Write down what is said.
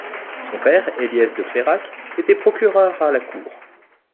Son père, Héliès de Cleyrac, était procureur à La Cour.